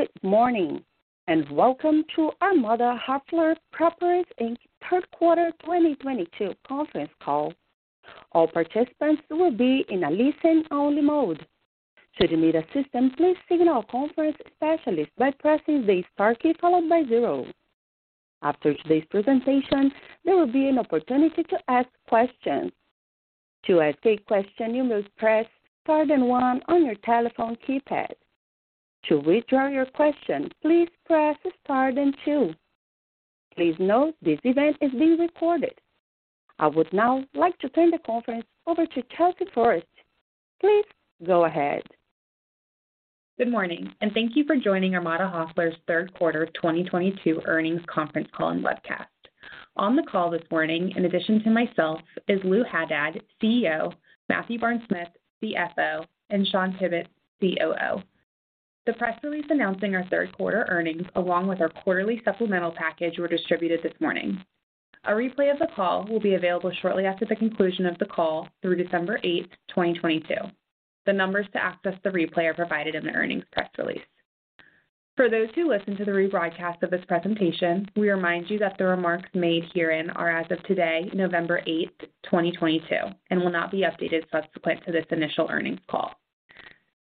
Good morning, and welcome to Armada Hoffler Properties Inc. third quarter 2022 conference call. All participants will be in a listen-only mode. Should you need assistance, please signal a conference specialist by pressing the star key followed by zero. After today's presentation, there will be an opportunity to ask questions. To ask a question, you must press star then one on your telephone keypad. To withdraw your question, please press star then two. Please note this event is being recorded. I would now like to turn the conference over to Chelsea Forrest. Please go ahead. Good morning, and thank you for joining Armada Hoffler's third quarter 2022 earnings conference call and webcast. On the call this morning, in addition to myself, is Lou Haddad, CEO, Matthew Barnes-Smith, CFO, and Shawn Tibbetts, COO. The press release announcing our third quarter earnings, along with our quarterly supplemental package, were distributed this morning. A replay of the call will be available shortly after the conclusion of the call through December 8th, 2022. The numbers to access the replay are provided in the earnings press release. For those who listen to the rebroadcast of this presentation, we remind you that the remarks made herein are as of today, November 8th, 2022, and will not be updated subsequent to this initial earnings call.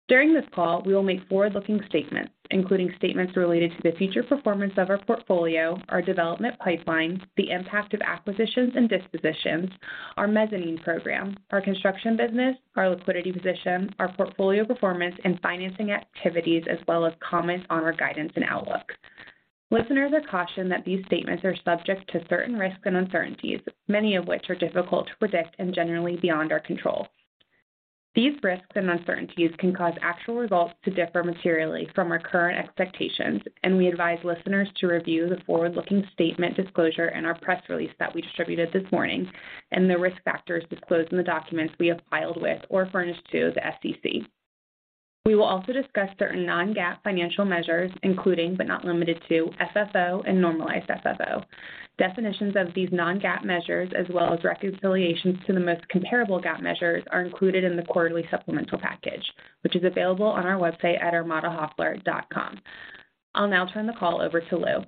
During this call, we will make forward-looking statements, including statements related to the future performance of our portfolio, our development pipeline, the impact of acquisitions and dispositions, our mezzanine program, our construction business, our liquidity position, our portfolio performance, and financing activities, as well as comments on our guidance and outlook. Listeners are cautioned that these statements are subject to certain risks and uncertainties, many of which are difficult to predict and generally beyond our control. These risks and uncertainties can cause actual results to differ materially from our current expectations, and we advise listeners to review the forward-looking statement disclosure in our press release that we distributed this morning and the risk factors disclosed in the documents we have filed with or furnished to the SEC. We will also discuss certain non-GAAP financial measures, including, but not limited to, FFO and Normalized FFO. Definitions of these non-GAAP measures as well as reconciliations to the most comparable GAAP measures are included in the quarterly supplemental package, which is available on our website at armadahoffler.com. I'll now turn the call over to Lou.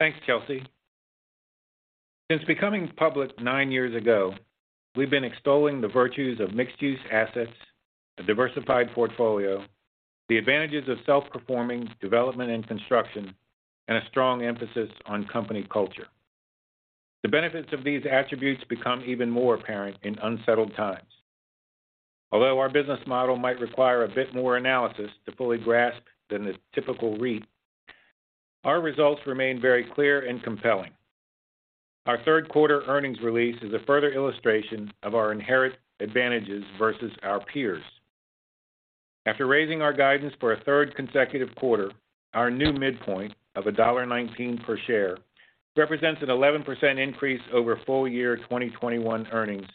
Thanks, Chelsea. Since becoming public nine years ago, we've been extolling the virtues of mixed-use assets, a diversified portfolio, the advantages of self-performing development and construction, and a strong emphasis on company culture. The benefits of these attributes become even more apparent in unsettled times. Although our business model might require a bit more analysis to fully grasp than the typical REIT, our results remain very clear and compelling. Our third quarter earnings release is a further illustration of our inherent advantages versus our peers. After raising our guidance for a third consecutive quarter, our new midpoint of $1.19 per share represents an 11% increase over full year 2021 earnings,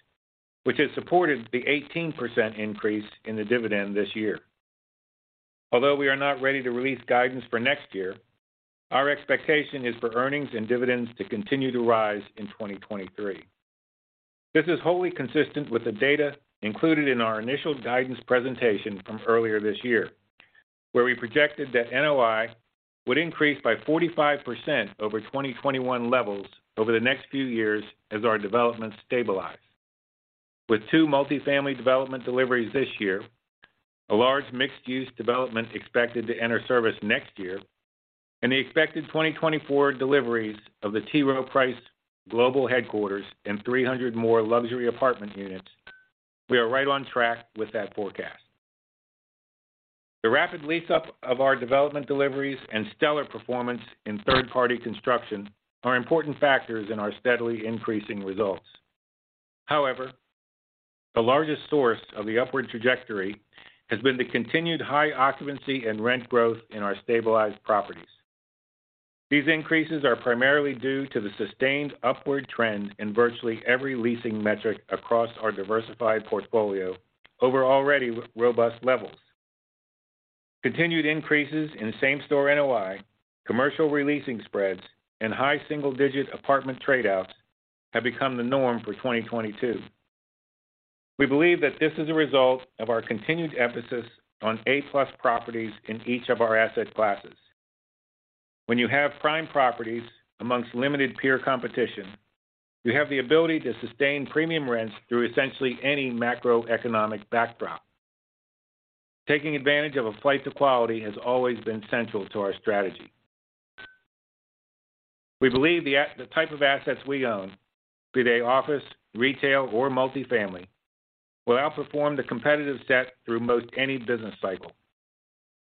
which has supported the 18% increase in the dividend this year. Although we are not ready to release guidance for next year, our expectation is for earnings and dividends to continue to rise in 2023. This is wholly consistent with the data included in our initial guidance presentation from earlier this year, where we projected that NOI would increase by 45% over 2021 levels over the next few years as our developments stabilize. With two multi-family development deliveries this year, a large mixed-use development expected to enter service next year, and the expected 2024 deliveries of the T. Rowe Price global headquarters and 300 more luxury apartment units, we are right on track with that forecast. The rapid lease-up of our development deliveries and stellar performance in third-party construction are important factors in our steadily increasing results. However, the largest source of the upward trajectory has been the continued high occupancy and rent growth in our stabilized properties. These increases are primarily due to the sustained upward trend in virtually every leasing metric across our diversified portfolio over already robust levels. Continued increases in Same-Store NOI, commercial re-leasing spreads, and high single-digit apartment trade-outs have become the norm for 2022. We believe that this is a result of our continued emphasis on A+ properties in each of our asset classes. When you have prime properties amongst limited peer competition, you have the ability to sustain premium rents through essentially any macroeconomic backdrop. Taking advantage of a flight to quality has always been central to our strategy. We believe the type of assets we own, be they office, retail, or multi-family, will outperform the competitive set through most any business cycle.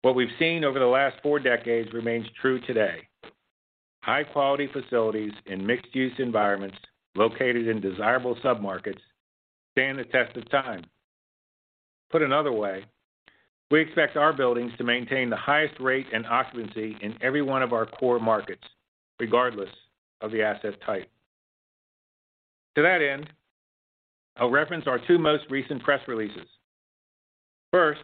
What we've seen over the last four decades remains true today. High-quality facilities in mixed-use environments located in desirable submarkets stand the test of time. Put another way, we expect our buildings to maintain the highest rate and occupancy in every one of our core markets, regardless of the asset type. To that end, I'll reference our two most recent press releases. First,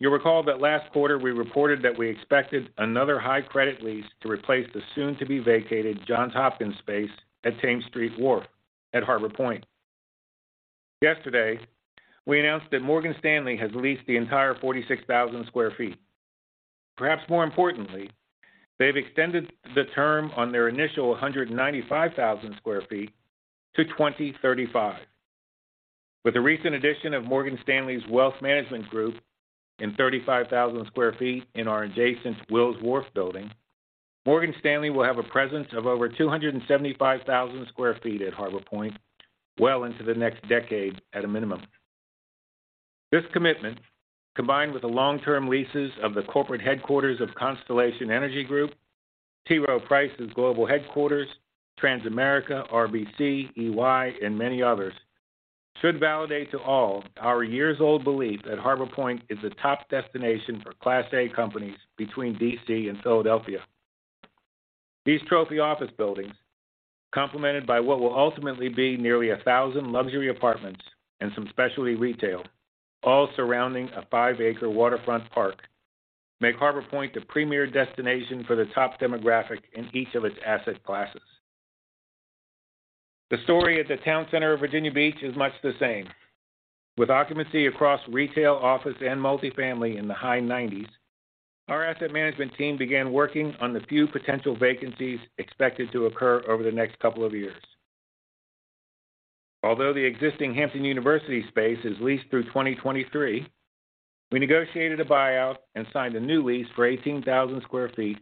you'll recall that last quarter we reported that we expected another high-credit lease to replace the soon-to-be-vacated Johns Hopkins space at Thames Street Wharf at Harbor Point. Yesterday, we announced that Morgan Stanley has leased the entire 46,000 sq ft. Perhaps more importantly, they've extended the term on their initial 195,000 sq ft to 2035. With the recent addition of Morgan Stanley's wealth management group in 35,000 sq ft in our adjacent Wills Wharf building, Morgan Stanley will have a presence of over 275,000 sq ft at Harbor Point well into the next decade at a minimum. This commitment, combined with the long-term leases of the corporate headquarters of Constellation Energy Group, T. T. Rowe Price's global headquarters, Transamerica, RBC, EY, and many others, should validate to all our years-old belief that Harbor Point is a top destination for Class A companies between D.C. and Philadelphia. These trophy office buildings, complemented by what will ultimately be nearly 1,000 luxury apartments and some specialty retail, all surrounding a five-acre waterfront park, make Harbor Point the premier destination for the top demographic in each of its asset classes. The story at the Town Center of Virginia Beach is much the same. With occupancy across retail, office, and multifamily in the high 90s, our asset management team began working on the few potential vacancies expected to occur over the next couple of years. Although the existing Hampton University space is leased through 2023, we negotiated a buyout and signed a new lease for 18,000 square feet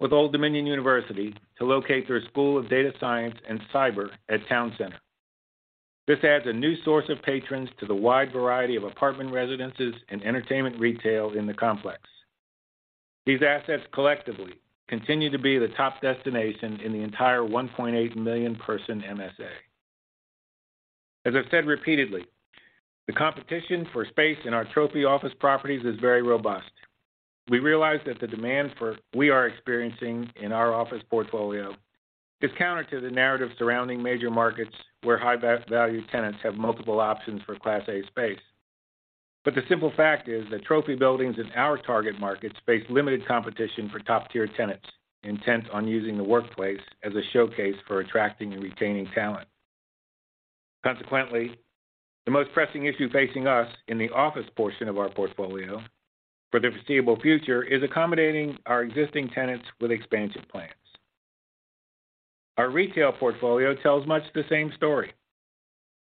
with Old Dominion University to locate their School of Data Science and Cyber at Town Center. This adds a new source of patrons to the wide variety of apartment residences and entertainment retail in the complex. These assets collectively continue to be the top destination in the entire 1.8 million person MSA. As I've said repeatedly, the competition for space in our trophy office properties is very robust. We realize that the demand we are experiencing in our office portfolio is counter to the narrative surrounding major markets where high-value tenants have multiple options for Class A space. The simple fact is that trophy buildings in our target markets face limited competition for top-tier tenants intent on using the workplace as a showcase for attracting and retaining talent. Consequently, the most pressing issue facing us in the office portion of our portfolio for the foreseeable future is accommodating our existing tenants with expansion plans. Our retail portfolio tells much the same story.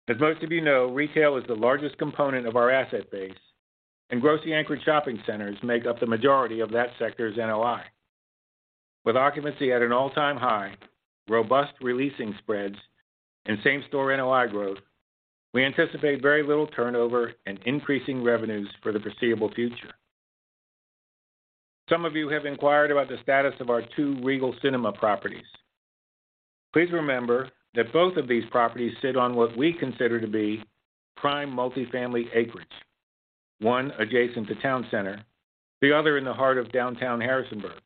As most of you know, retail is the largest component of our asset base, and grocery-anchored shopping centers make up the majority of that sector's NOI. With occupancy at an all-time high, robust re-leasing spreads, and Same-Store NOI growth, we anticipate very little turnover and increasing revenues for the foreseeable future. Some of you have inquired about the status of our two Regal Cinemas properties. Please remember that both of these properties sit on what we consider to be prime multifamily acreage, one adjacent to Town Center, the other in the heart of downtown Harrisonburg.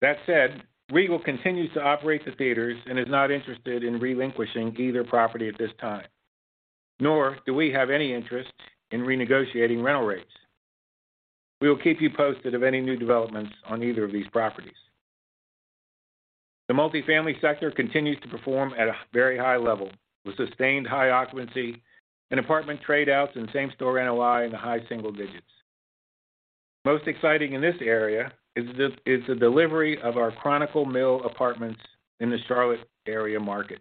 That said, Regal continues to operate the theaters and is not interested in relinquishing either property at this time, nor do we have any interest in renegotiating rental rates. We will keep you posted of any new developments on either of these properties. The multifamily sector continues to perform at a very high level with sustained high occupancy and apartment trade outs and Same-Store NOI in the high single digits. Most exciting in this area is the delivery of our Chronicle Mill apartments in the Charlotte area market.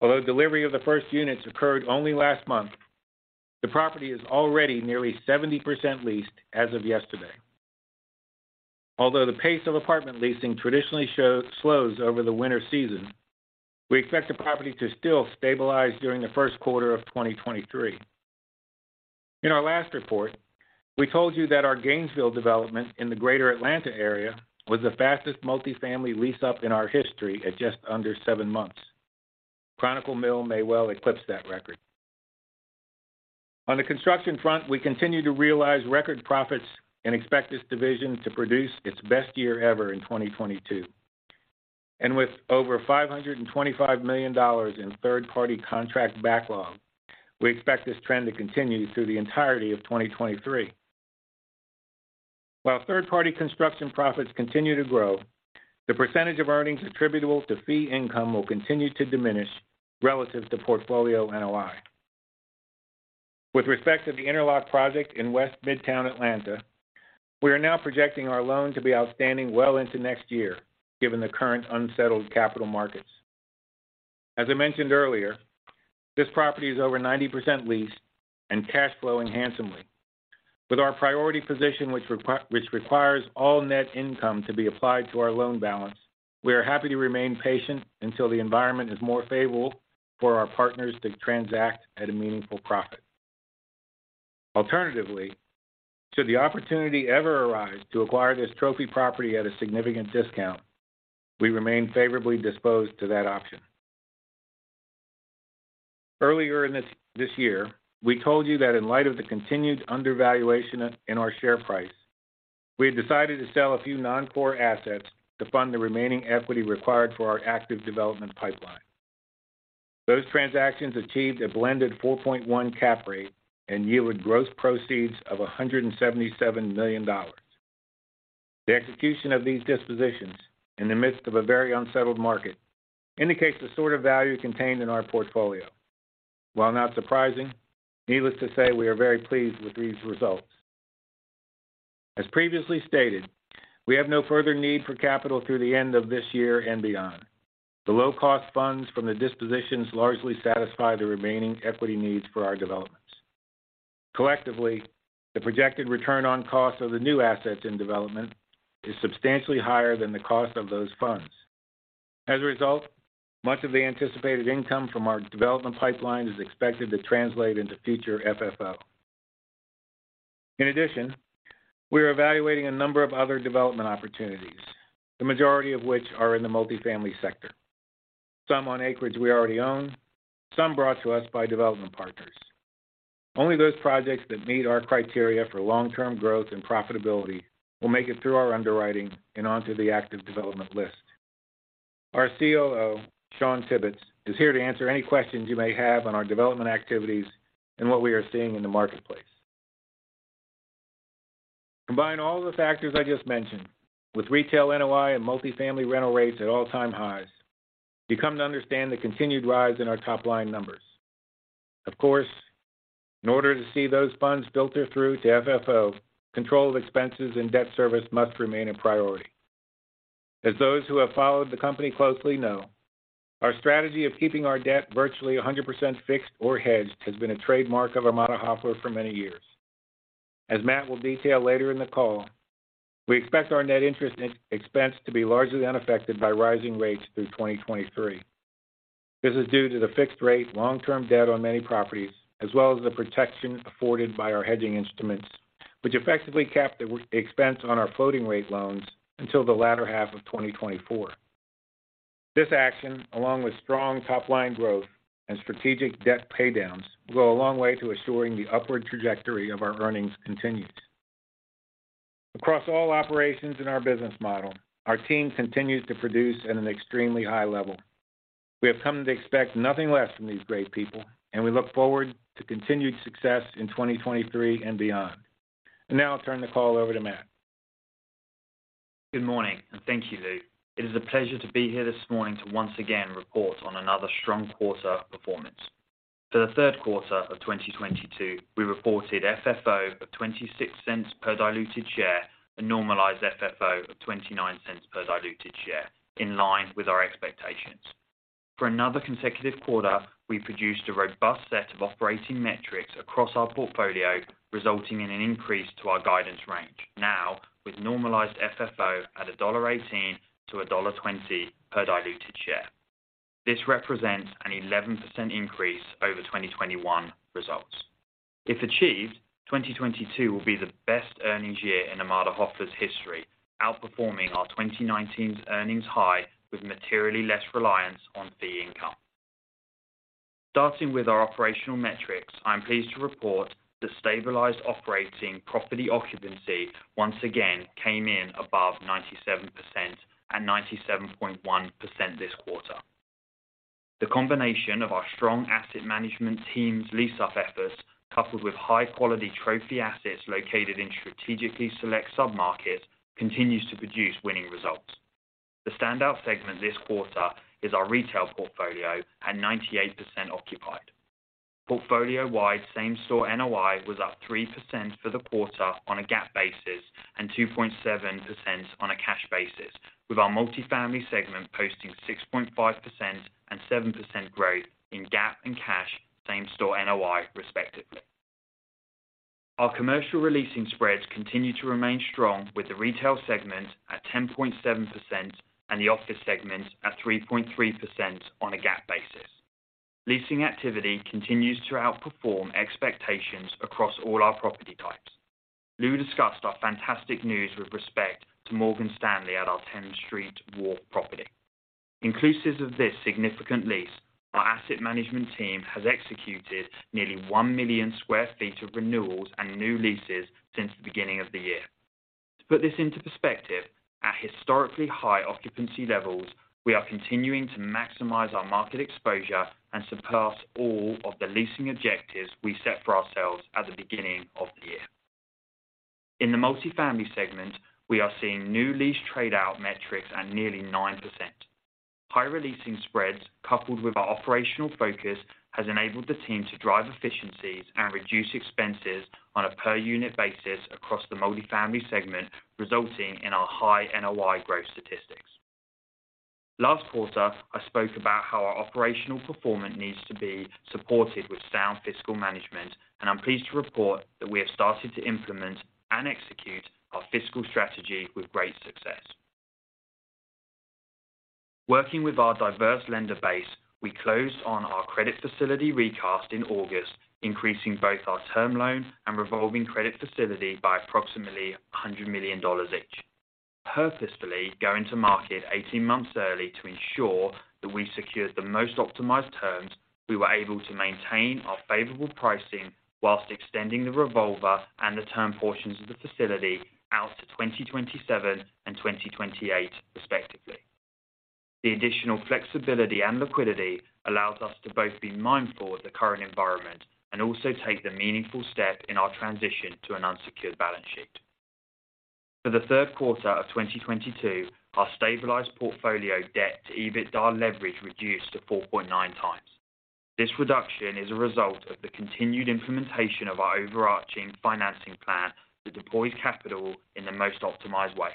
Although delivery of the first units occurred only last month, the property is already nearly 70% leased as of yesterday. Although the pace of apartment leasing traditionally slows over the winter season, we expect the property to still stabilize during the first quarter of 2023. In our last report, we told you that our Gainesville development in the greater Atlanta area was the fastest multifamily lease-up in our history at just under seven months. Chronicle Mill may well eclipse that record. On the construction front, we continue to realize record profits and expect this division to produce its best year ever in 2022. With over $525 million in third-party contract backlog, we expect this trend to continue through the entirety of 2023. While third-party construction profits continue to grow, the percentage of earnings attributable to fee income will continue to diminish relative to portfolio NOI. With respect to the Interlock project in West Midtown Atlanta, we are now projecting our loan to be outstanding well into next year, given the current unsettled capital markets. As I mentioned earlier, this property is over 90% leased and cash flowing handsomely. With our priority position, which requires all net income to be applied to our loan balance, we are happy to remain patient until the environment is more favorable for our partners to transact at a meaningful profit. Alternatively, should the opportunity ever arise to acquire this trophy property at a significant discount, we remain favorably disposed to that option. Earlier in this year, we told you that in light of the continued undervaluation in our share price, we had decided to sell a few non-core assets to fund the remaining equity required for our active development pipeline. Those transactions achieved a blended 4.1 cap rate and yielded gross proceeds of $177 million. The execution of these dispositions in the midst of a very unsettled market indicates the sort of value contained in our portfolio. While not surprising, needless to say, we are very pleased with these results. As previously stated, we have no further need for capital through the end of this year and beyond. The low-cost funds from the dispositions largely satisfy the remaining equity needs for our developments. Collectively, the projected return on cost of the new assets in development is substantially higher than the cost of those funds. As a result, much of the anticipated income from our development pipeline is expected to translate into future FFO. In addition, we are evaluating a number of other development opportunities, the majority of which are in the multifamily sector. Some on acreage we already own, some brought to us by development partners. Only those projects that meet our criteria for long-term growth and profitability will make it through our underwriting and onto the active development list. Our COO, Shawn Tibbetts, is here to answer any questions you may have on our development activities and what we are seeing in the marketplace. Combine all the factors I just mentioned with retail NOI and multifamily rental rates at all-time highs, you come to understand the continued rise in our top-line numbers. Of course, in order to see those funds filter through to FFO, control of expenses and debt service must remain a priority. As those who have followed the company closely know, our strategy of keeping our debt virtually 100% fixed or hedged has been a trademark of Armada Hoffler for many years. As Matt will detail later in the call, we expect our net interest expense to be largely unaffected by rising rates through 2023. This is due to the fixed rate long-term debt on many properties, as well as the protection afforded by our hedging instruments, which effectively cap the expense on our floating rate loans until the latter half of 2024. This action, along with strong top-line growth and strategic debt paydowns, will go a long way to assuring the upward trajectory of our earnings continues. Across all operations in our business model, our team continues to produce at an extremely high level. We have come to expect nothing less from these great people, and we look forward to continued success in 2023 and beyond. Now I'll turn the call over to Matt. Good morning, and thank you, Lou. It is a pleasure to be here this morning to once again report on another strong quarter of performance. For the third quarter of 2022, we reported FFO of $0.26 per diluted share and Normalized FFO of $0.29 per diluted share, in line with our expectations. For another consecutive quarter, we produced a robust set of operating metrics across our portfolio, resulting in an increase to our guidance range. Now, with Normalized FFO at $1.18 to $1.20 per diluted share. This represents an 11% increase over 2021 results. If achieved, 2022 will be the best earnings year in Armada Hoffler's history, outperforming our 2019's earnings high with materially less reliance on fee income. Starting with our operational metrics, I am pleased to report that stabilized operating property occupancy once again came in above 97% at 97.1% this quarter. The combination of our strong asset management team's lease up efforts, coupled with high-quality trophy assets located in strategically select sub-market, continues to produce winning results. The standout segment this quarter is our retail portfolio at 98% occupied. Portfolio-wide Same-Store NOI was up 3% for the quarter on a GAAP basis and 2.7% on a cash basis, with our multifamily segment posting 6.5% and 7% growth in GAAP and cash Same-Store NOI, respectively. Our commercial leasing spreads continue to remain strong with the retail segment at 10.7% and the office segment at 3.3% on a GAAP basis. Leasing activity continues to outperform expectations across all our property types. Lou discussed our fantastic news with respect to Morgan Stanley at our Thames Street Wharf property. Inclusive of this significant lease, our asset management team has executed nearly 1 million sq ft of renewals and new leases since the beginning of the year. To put this into perspective, at historically high occupancy levels, we are continuing to maximize our market exposure and surpass all of the leasing objectives we set for ourselves at the beginning of the year. In the multifamily segment, we are seeing new lease trade-out metrics at nearly 9%. High releasing spreads, coupled with our operational focus, has enabled the team to drive efficiencies and reduce expenses on a per-unit basis across the multifamily segment, resulting in our high NOI growth statistics. Last quarter, I spoke about how our operational performance needs to be supported with sound fiscal management, and I'm pleased to report that we have started to implement and execute our fiscal strategy with great success. Working with our diverse lender base, we closed on our credit facility recast in August, increasing both our term loan and revolving credit facility by approximately $100 million each. Purposefully going to market 18 months early to ensure that we secured the most optimized terms, we were able to maintain our favorable pricing whilst extending the revolver and the term portions of the facility out to 2027 and 2028, respectively. The additional flexibility and liquidity allows us to both be mindful of the current environment and also take the meaningful step in our transition to an unsecured balance sheet. For the third quarter of 2022, our stabilized portfolio debt to EBITDA leverage reduced to 4.9 times. This reduction is a result of the continued implementation of our overarching financing plan to deploy capital in the most optimized way.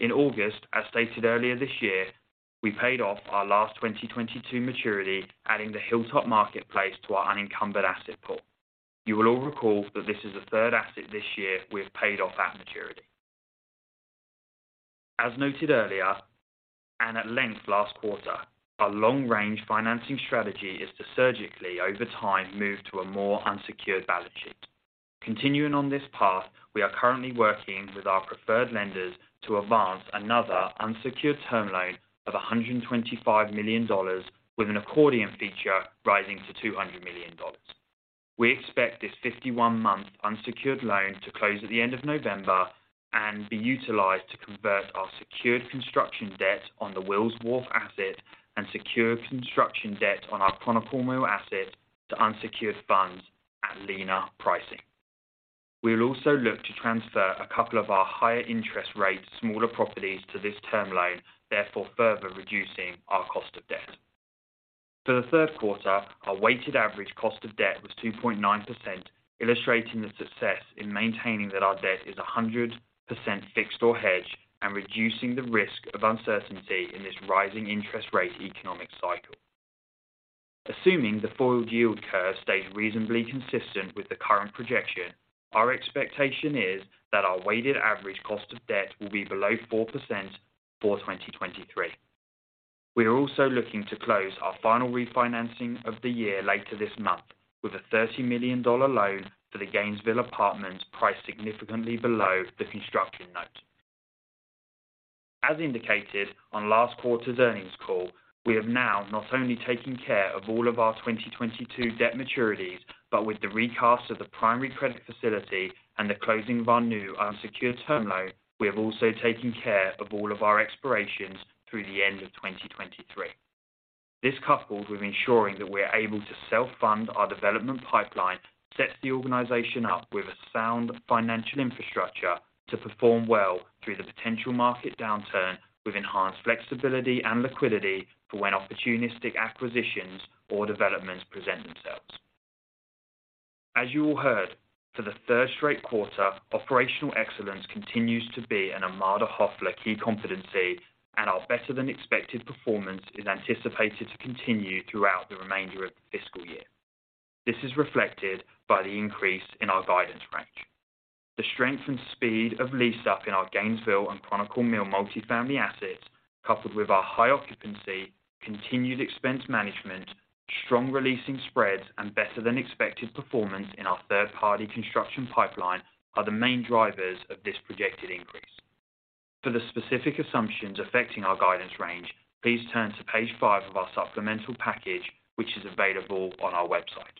In August, as stated earlier this year, we paid off our last 2022 maturity, adding the Hilltop Marketplace to our unencumbered asset pool. You will all recall that this is the third asset this year we have paid off at maturity. As noted earlier, and at length last quarter, our long-range financing strategy is to surgically, over time, move to a more unsecured balance sheet. Continuing on this path, we are currently working with our preferred lenders to advance another unsecured term loan of $125 million, with an accordion feature rising to $200 million. We expect this 51-month unsecured loan to close at the end of November and be utilized to convert our secured construction debt on the Wills Wharf asset and secure construction debt on our Chronicle Mill asset to unsecured funds at leaner pricing. We'll also look to transfer a couple of our higher interest rate, smaller properties to this term loan, therefore further reducing our cost of debt. For the third quarter, our weighted average cost of debt was 2.9%, illustrating the success in maintaining that our debt is 100% fixed or hedged and reducing the risk of uncertainty in this rising interest rate economic cycle. Assuming the forward yield curve stays reasonably consistent with the current projection, our expectation is that our weighted average cost of debt will be below 4% for 2023. We are also looking to close our final refinancing of the year later this month, with a $30 million loan for the Gainesville Apartments priced significantly below the construction note. As indicated on last quarter's earnings call, we have now not only taken care of all of our 2022 debt maturities, but with the recast of the primary credit facility and the closing of our new unsecured term loan, we have also taken care of all of our expirations through the end of 2023. This, coupled with ensuring that we're able to self-fund our development pipeline, sets the organization up with a sound financial infrastructure to perform well through the potential market downturn, with enhanced flexibility and liquidity for when opportunistic acquisitions or developments present themselves. As you all heard, for the third straight quarter, operational excellence continues to be an Armada Hoffler key competency, and our better-than-expected performance is anticipated to continue throughout the remainder of the fiscal year. This is reflected by the increase in our guidance range. The strength and speed of lease up in our Gainesville and Chronicle Mill multifamily assets, coupled with our high occupancy, continued expense management, strong leasing spreads, and better-than-expected performance in our third-party construction pipeline, are the main drivers of this projected increase. For the specific assumptions affecting our guidance range, please turn to page five of our supplemental package, which is available on our website.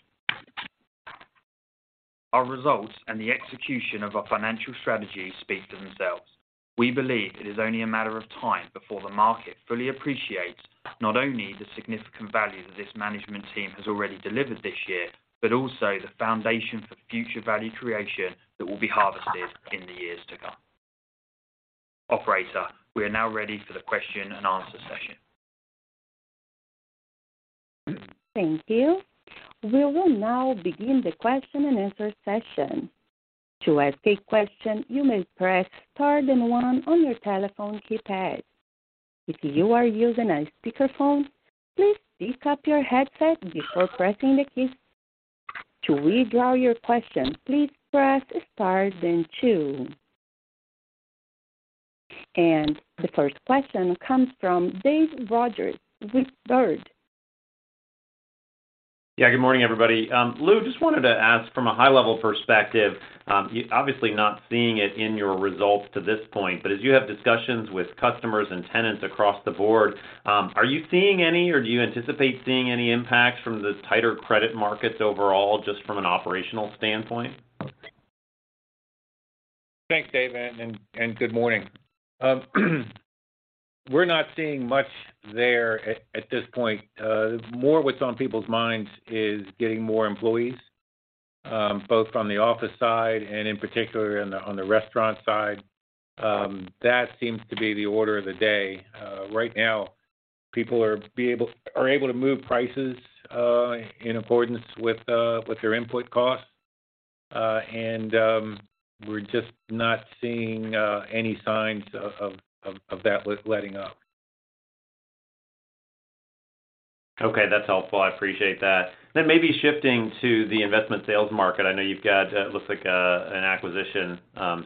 Our results and the execution of our financial strategy speak for themselves. We believe it is only a matter of time before the market fully appreciates not only the significant value that this management team has already delivered this year, but also the foundation for future value creation that will be harvested in the years to come. Operator, we are now ready for the question and answer session. Thank you. We will now begin the question and answer session. To ask a question, you may press star then one on your telephone keypad. If you are using a speakerphone, please pick up your headset before pressing the key. To withdraw your question, please press star then two. The first question comes from David Rodgers with Baird. Yeah, good morning, everybody. Lou, just wanted to ask from a high-level perspective, obviously not seeing it in your results to this point, but as you have discussions with customers and tenants across the board, are you seeing any or do you anticipate seeing any impacts from the tighter credit markets overall, just from an operational standpoint? Thanks, Dave, and good morning. We're not seeing much there at this point. More what's on people's minds is getting more employees, both on the office side and in particular on the restaurant side. That seems to be the order of the day. Right now, people are able to move prices in accordance with their input costs. We're just not seeing any signs of that letting up. Okay. That's helpful. I appreciate that. Maybe shifting to the investment sales market, I know you've got, it looks like an acquisition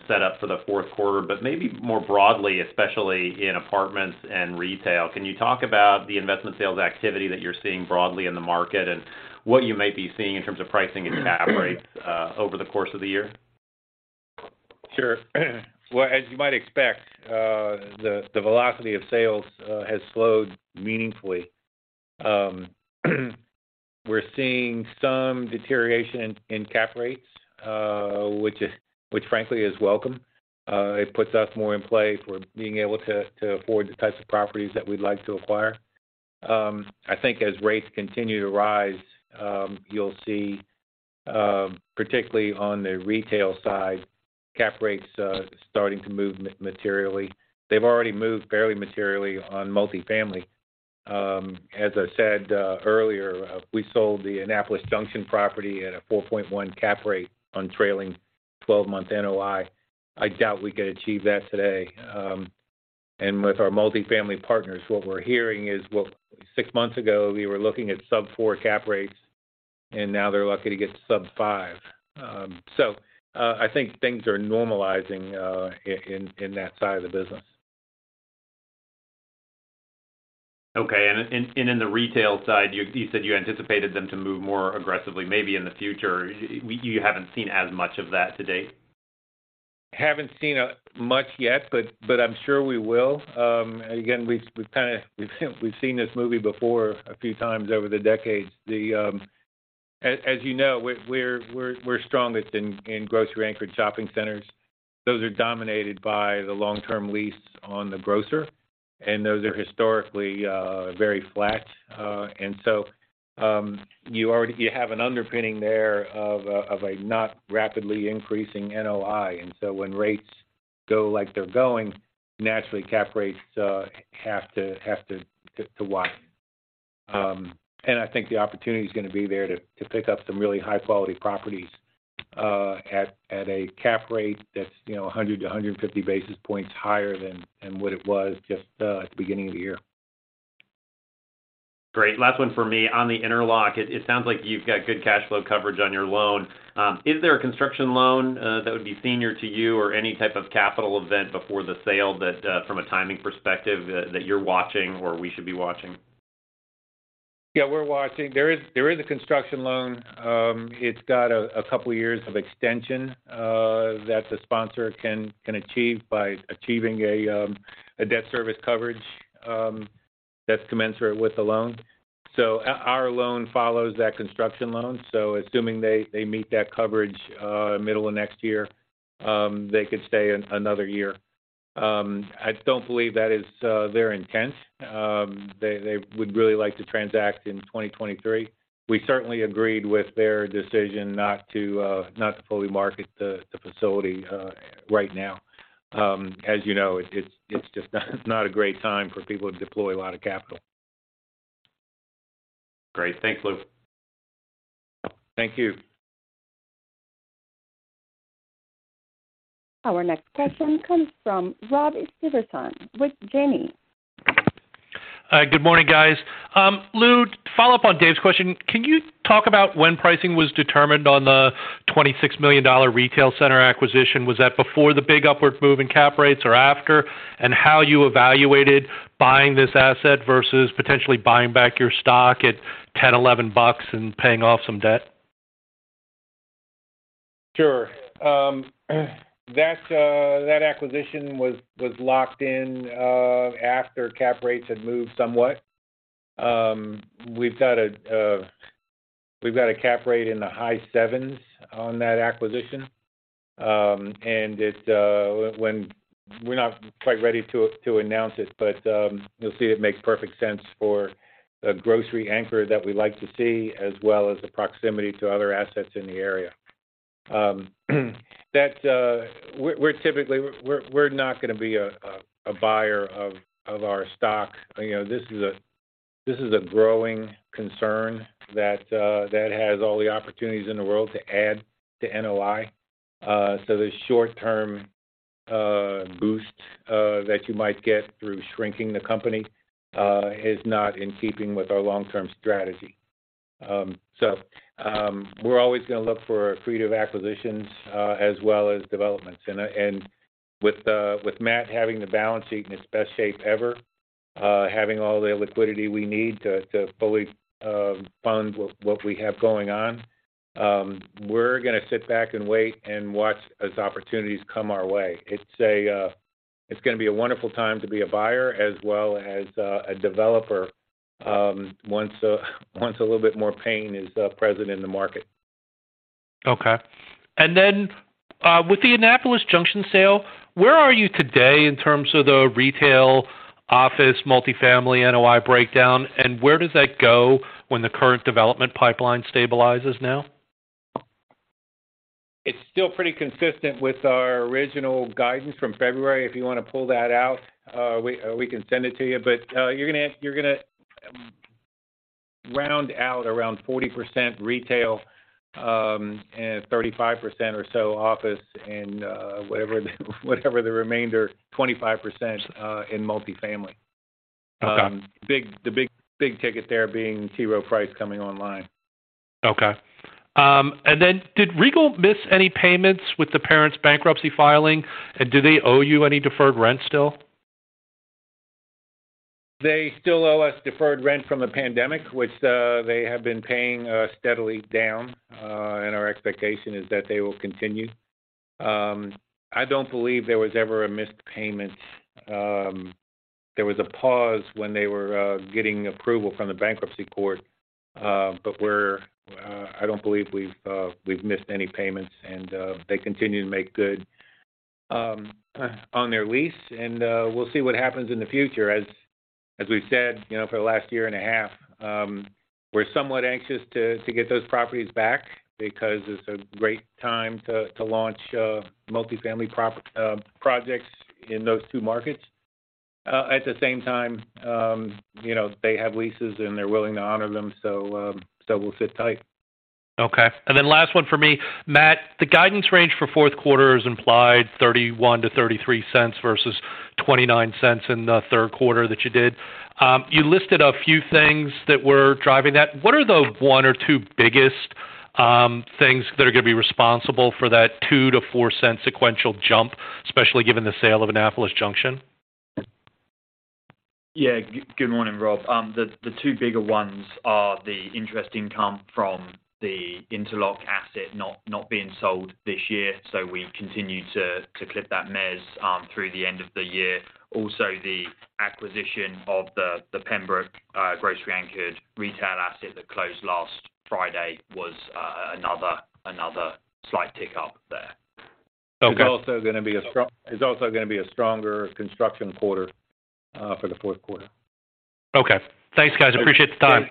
set up for the fourth quarter, but maybe more broadly, especially in apartments and retail, can you talk about the investment sales activity that you're seeing broadly in the market and what you might be seeing in terms of pricing and cap rates over the course of the year? Sure. Well, as you might expect, the velocity of sales has slowed meaningfully. We're seeing some deterioration in cap rates, which frankly is welcome. It puts us more in play for being able to afford the types of properties that we'd like to acquire. I think as rates continue to rise, you'll see, particularly on the retail side, cap rates starting to move materially. They've already moved fairly materially on multifamily. As I said earlier, we sold the Annapolis Junction property at a 4.1 cap rate on trailing 12-month NOI. I doubt we could achieve that today. With our multifamily partners, what we're hearing is, well, six months ago, we were looking at sub four cap rates, and now they're lucky to get sub five. I think things are normalizing in that side of the business. Okay. In the retail side, you said you anticipated them to move more aggressively, maybe in the future. You haven't seen as much of that to date? Haven't seen much yet, but I'm sure we will. We've seen this movie before a few times over the decades. As you know, we're strongest in grocery-anchored shopping centers. Those are dominated by the long-term leases on the grocer. Those are historically very flat. You have an underpinning there of a not rapidly increasing NOI. When rates go like they're going, naturally, cap rates have to widen. I think the opportunity's going to be there to pick up some really high-quality properties at a cap rate that's 100 to 150 basis points higher than what it was just at the beginning of the year. Great. Last one from me. On the interlock, it sounds like you've got good cash flow coverage on your loan. Is there a construction loan that would be senior to you, or any type of capital event before the sale that, from a timing perspective, that you're watching or we should be watching? Yeah, we're watching. There is a construction loan. It's got a couple of years of extension that the sponsor can achieve by achieving a debt service coverage that's commensurate with the loan. Our loan follows that construction loan. Assuming they meet that coverage middle of next year, they could stay another year. I don't believe that is their intent. They would really like to transact in 2023. We certainly agreed with their decision not to fully market the facility right now. As you know, it's just not a great time for people to deploy a lot of capital. Great. Thanks, Lou. Thank you. Our next question comes from Rob Stevenson with Janney. Hi, good morning, guys. Lou, to follow up on Dave's question, can you talk about when pricing was determined on the $26 million retail center acquisition? Was that before the big upward move in cap rates or after? How you evaluated buying this asset versus potentially buying back your stock at $10, $11 and paying off some debt? Sure. That acquisition was locked in after cap rates had moved somewhat. We've got a cap rate in the high sevens on that acquisition. We're not quite ready to announce it, but you'll see it makes perfect sense for a grocery anchor that we like to see, as well as the proximity to other assets in the area. We're not going to be a buyer of our stock. This is a growing concern that has all the opportunities in the world to add to NOI. The short-term boost that you might get through shrinking the company is not in keeping with our long-term strategy. We're always going to look for accretive acquisitions, as well as developments. With Matt having the balance sheet in its best shape ever, having all the liquidity we need to fully fund what we have going on, we're going to sit back and wait and watch as opportunities come our way. It's going to be a wonderful time to be a buyer as well as a developer once a little bit more pain is present in the market. Okay. With the Annapolis Junction sale, where are you today in terms of the retail, office, multifamily NOI breakdown, and where does that go when the current development pipeline stabilizes now? It's still pretty consistent with our original guidance from February. If you want to pull that out, we can send it to you. You're going to round out around 40% retail, and 35% or so office, and whatever the remainder, 25% in multifamily. Okay. The big ticket there being T. Rowe Price coming online. Okay. Did Regal miss any payments with the parents' bankruptcy filing? Do they owe you any deferred rent still? They still owe us deferred rent from the pandemic, which they have been paying us steadily down. Our expectation is that they will continue. I don't believe there was ever a missed payment. There was a pause when they were getting approval from the bankruptcy court. I don't believe we've missed any payments, and they continue to make good on their lease, and we'll see what happens in the future. As we've said for the last year and a half, we're somewhat anxious to get those properties back because it's a great time to launch multi-family projects in those two markets. At the same time, they have leases, and they're willing to honor them, we'll sit tight. Okay. Last one for me. Matt, the guidance range for fourth quarter has implied $0.31-$0.33 versus $0.29 in the third quarter that you did. You listed a few things that were driving that. What are the one or two biggest things that are going to be responsible for that $0.02-$0.04 sequential jump, especially given the sale of Annapolis Junction? Yeah. Good morning, Rob. The two bigger ones are the interest income from the Interlock asset not being sold this year, we continue to clip that mez through the end of the year. Also, the acquisition of the Pembroke grocery-anchored retail asset that closed last Friday was another slight tick up there. Okay. It's also going to be a stronger construction quarter for the fourth quarter. Okay. Thanks, guys. Appreciate the time.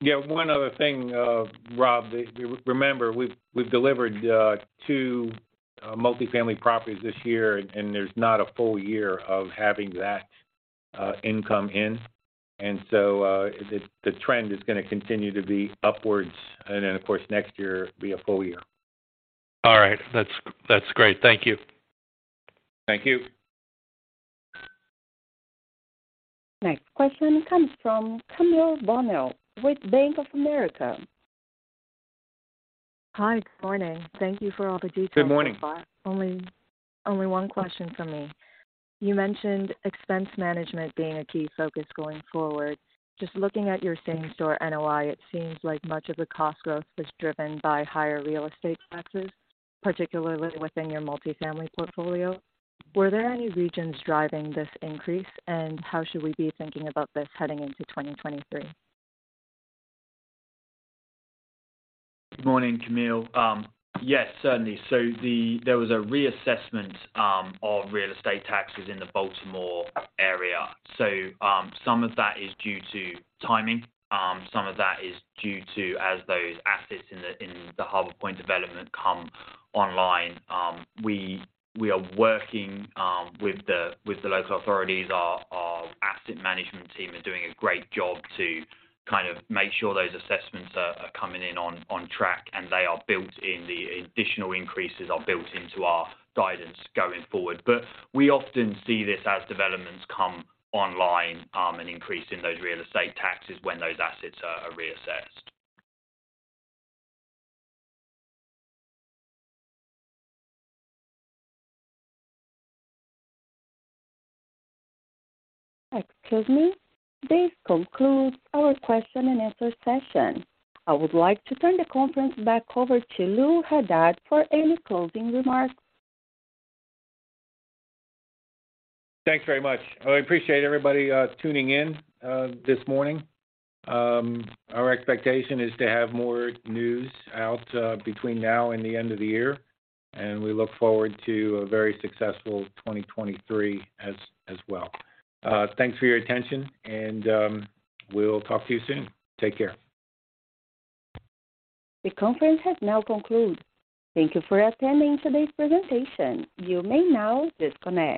Yeah. One other thing, Rob. Remember, we've delivered two multi-family properties this year, and there's not a full year of having that income in. The trend is going to continue to be upwards. Of course, next year will be a full year. All right. That's great. Thank you. Thank you. Next question comes from Camille Bonnel with Bank of America. Hi. Good morning. Thank you for all the details. Good morning. Only one question from me. You mentioned expense management being a key focus going forward. Just looking at your Same-Store NOI, it seems like much of the cost growth is driven by higher real estate taxes, particularly within your multi-family portfolio. Were there any regions driving this increase, and how should we be thinking about this heading into 2023? Good morning, Camille. Yes, certainly. There was a reassessment of real estate taxes in the Baltimore area. Some of that is due to timing. Some of that is due to as those assets in the Harbor Point development come online. We are working with the local authorities. Our asset management team are doing a great job to kind of make sure those assessments are coming in on track, and they are built in, the additional increases are built into our guidance going forward. We often see this as developments come online, an increase in those real estate taxes when those assets are reassessed. Excuse me. This concludes our question-and-answer session. I would like to turn the conference back over to Lou Haddad for any closing remarks. Thanks very much. I appreciate everybody tuning in this morning. Our expectation is to have more news out between now and the end of the year, and we look forward to a very successful 2023 as well. Thanks for your attention, and we'll talk to you soon. Take care. The conference has now concluded. Thank you for attending today's presentation. You may now disconnect.